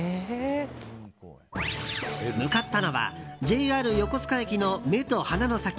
向かったのはＪＲ横須賀駅の目と鼻の先。